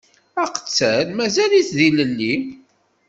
Aqettal mazal-it d ilelli.